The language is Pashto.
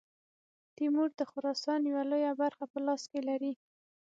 تیمور د خراسان یوه لویه برخه په لاس کې لري.